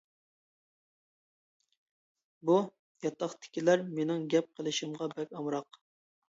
بۇ ياتاقتىكىلەر مېنىڭ گەپ قىلىشىمغا بەك ئامراق.